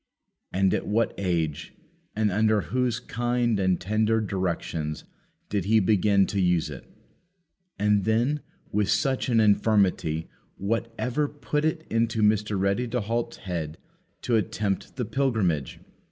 And at what age, and under whose kind and tender directions did he begin to use it? And, then, with such an infirmity, what ever put it into Mr. Ready to halt's head to attempt the pilgrimage?